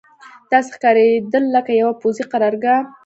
داسې ښکارېدل لکه یوه پوځي قرارګاه.